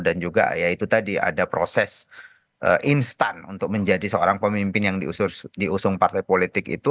juga ya itu tadi ada proses instan untuk menjadi seorang pemimpin yang diusung partai politik itu